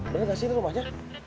bener gak sih ini rumahnya